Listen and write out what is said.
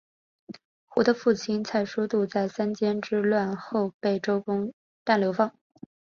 胡的父亲蔡叔度在三监之乱后被周公旦流放。